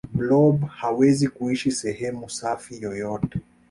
blob hawezi kuishi sehemu safi yoyote